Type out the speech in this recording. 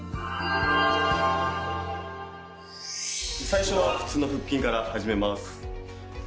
最初は普通の腹筋から始めます。